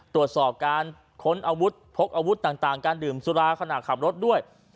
ตรวจสอบการค้นอาวุธพกอาวุธต่างการดื่มสุราขณะขับรถด้วย